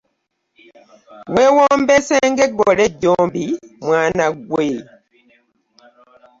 Weewombeese ng'eggole ejjombi mwana ggwe.